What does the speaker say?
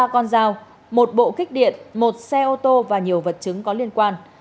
ba con dao một bộ kích điện một xe ô tô và nhiều vật chứng có liên quan